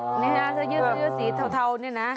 หน้าสยึกสยึกนะสีเทาเนี่ยนะ